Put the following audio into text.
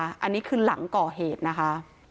อันนี้คือหลังก่อเหตุนะคะ